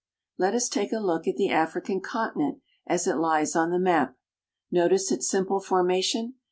Let us take a look at the African continent as it lies on the map. Notice its simple formation.